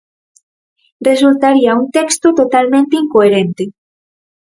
Resultaría un texto totalmente incoherente.